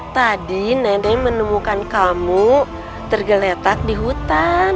tadi nenek menemukan kamu tergeletak di hutan